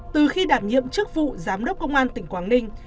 từ khi đảm nhiệm chức vụ giám đốc công an tỉnh quảng ninh